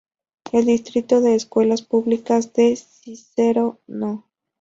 El Distrito de Escuelas Públicas de Cícero No.